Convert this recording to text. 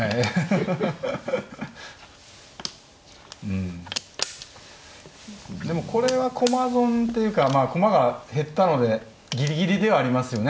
うんでもこれは駒損っていうかまあ駒が減ったのでギリギリではありますよね